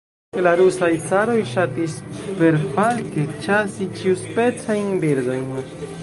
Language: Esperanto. La rusaj caroj ŝatis perfalke ĉasi ĉiuspecajn birdojn.